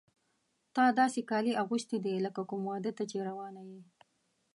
تا داسې کالي اغوستي دي لکه کوم واده ته چې روانه یې.